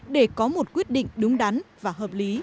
để có một quyết định đúng đắn và hợp lý